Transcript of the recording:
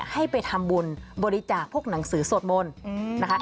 ให้ไปทำบุญบริจาคพวกหนังสือสวดมนต์นะคะ